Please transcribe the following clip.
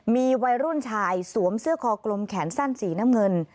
มีวัยรุ่นชายสวมเสื้อคอกลมแขนสั้นสีน้ำเงิน